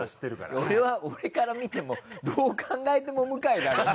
俺は俺から見てもどう考えても向井だろうと。